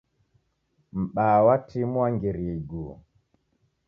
M'baa wa timu wangirie iguo